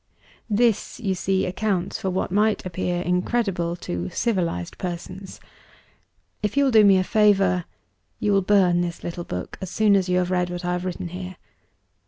"This, you see, accounts for what might appear incredible to civilized persons. If you will do me a favor, you will burn this little book, as soon as you have read what I have written here.